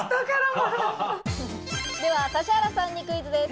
では指原さんにクイズです。